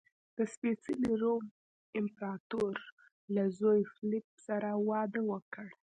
د سپېڅلي روم امپراتور له زوی فلیپ سره واده وکړ.